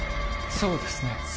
「そうですね」